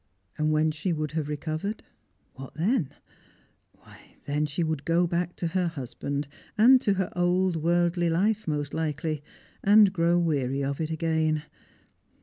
And when she would have recovered — what then ? Why, then she would go back to her husband, and to her old worldly life, most likely, and grow weary of it again.